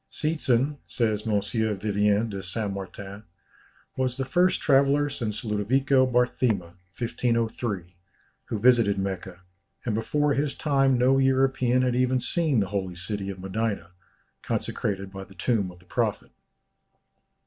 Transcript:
"Seetzen," says M. Vivien de Saint Martin, "was the first traveller since Ludovico Barthema (1503) who visited Mecca, and before his time no European had even seen the holy city of Medina, consecrated by the tomb of the Prophet."